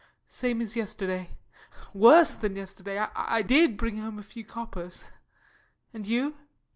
Same as yesterday worse than yesterday I did bring home a few coppers And you?